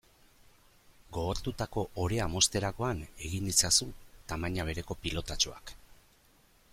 Gogortutako orea mozterakoan egin itzazu tamaina bereko pilotatxoak.